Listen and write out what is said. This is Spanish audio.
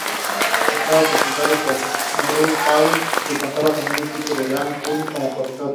Estaba presentado por RuPaul y contaba con un equipo de "drag queens" como "profesoras".